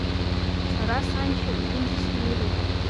Сара саншьа иҿынӡа снеироуп.